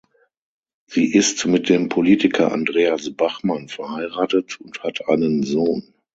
Sie ist mit dem Politiker Andreas Bachmann verheiratet und hat einen Sohn.